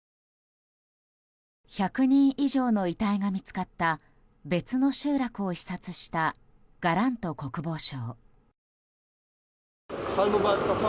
１００人以上の遺体が見つかった別の集落を視察したガラント国防相。